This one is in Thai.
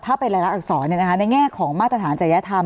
ถ้าเป็นรายละอักษรเนี้ยนะคะในแง่ของมาตรฐานจัยละธรรม